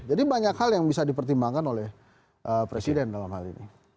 jadi banyak hal yang bisa dipertimbangkan oleh presiden dalam hal ini